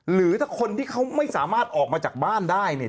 หรือถ้าคนที่เขาไม่สามารถออกมาจากบ้านได้เนี่ย